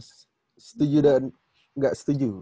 setuju dan gak setuju